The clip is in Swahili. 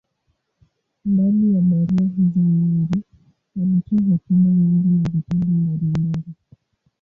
Mbali ya barua hizo nyingi, alitoa hotuba nyingi na vitabu mbalimbali.